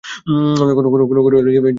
কোন ঘরোয়া লীগে যা একটি বিশ্ব রেকর্ড।